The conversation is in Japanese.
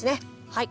はい。